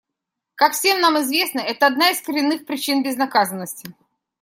Как всем нам известно, это одна из коренных причин безнаказанности.